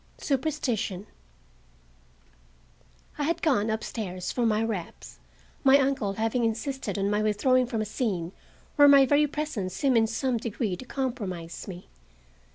SUPERSTITION I had gone up stairs for my wraps—my uncle having insisted on my withdrawing from a scene where my very presence seemed in some degree to compromise me.